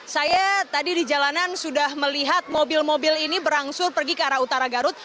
saya tadi di jalanan sudah melihat mobil mobil ini berangsur pergi ke arah utara garut